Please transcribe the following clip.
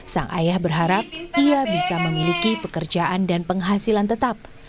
sang ayah berharap ia bisa memiliki pekerjaan dan penghasilan tetap